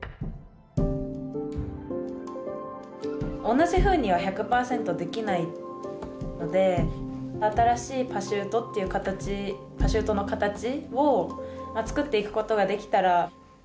同じふうには１００％できないので新しいパシュートっていう形パシュートの形をつくっていくことができたら。